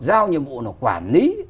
giao nhiệm vụ quản lý